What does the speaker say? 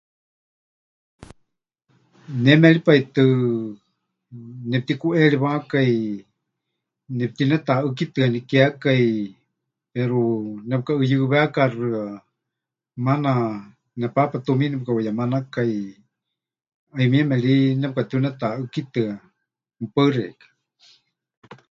Ne méripai tɨ nepɨtikuʼeriwákai nepɨtinetaʼɨ́kitɨanikekai, pero nepɨkaʼuyɨwekaxɨa, maana nepaapa tumiini pɨkaʼuyemanakai, 'ayumieme ri nepɨkatiunetaʼɨ́kitɨa. Mɨpaɨ xeikɨ́a.